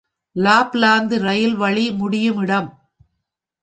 Lapland rail வழி முடியுமிடம்.